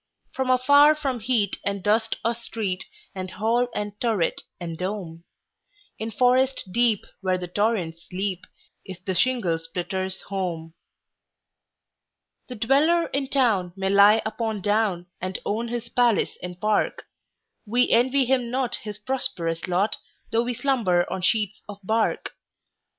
For afar from heat and dust of street, And hall and turret, and dome, In forest deep, where the torrents leap, Is the shingle splitter's home. The dweller in town may lie upon down, And own his palace and park:We envy him not his prosperous lot, Though we slumber on sheets of bark.